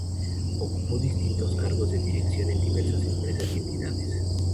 Ocupó distintos cargos de dirección en diversas empresas y entidades.